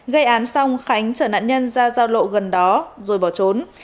gây án xong khánh chở nạn nhân ra giao lộ gần đó rồi bỏ trốn